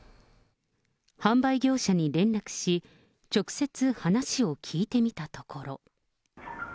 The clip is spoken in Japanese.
販売業者に連絡し、直接話を聞いてみたところ。